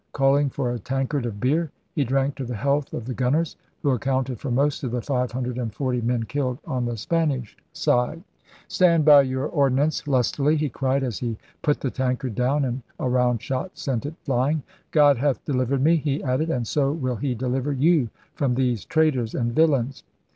Calling for a tankard of beer he drank to the health of the gunners, who accounted for most of the five hundred and forty men killed on the Spanish side. * Stand by your 92 ELIZABETHAN SEA DOGS ordnance lustily,' he cried, as he put the tankard down and a round shot sent it flying. * God hath delivered me,' he added, *and so will He deliver you from these traitors and villains.